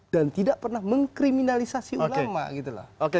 dan tidak pernah mengkriminalisasi ulama